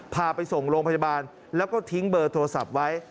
พาไปส่งโรงพยาบาลแล้วก็ทิ้งเบอร์โทรศัพท์ไว้